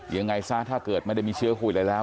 ยังไงซะถ้าเกิดไม่ได้มีเชื้อโควิดอะไรแล้ว